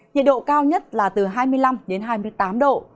nhiệt độ cao nhất là từ hai mươi năm đến hai mươi tám độ